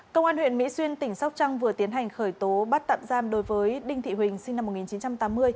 công an huyện mỹ xuyên tỉnh sóc trăng vừa tiến hành khởi tố bắt tạm giam đối với đinh thị huỳnh sinh năm một nghìn chín trăm tám mươi